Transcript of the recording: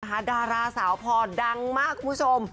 นะคะดาราสาวปอดดังมากคุณผู้ชม